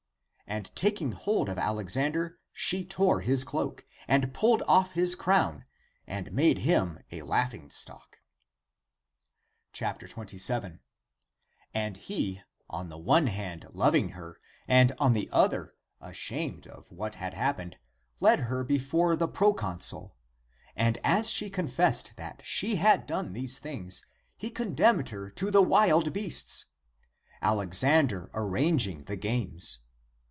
And taking hold of Alexander, she tore his cloak, and pulled off his crown, and made him a laughing stock. 2y. And he, on the one hand loving her, and on the other ashamed of what had happened, led her before the proconsul; and as she confessed that she had done these things, he condemned her to the wild beasts < Alexander arranging the games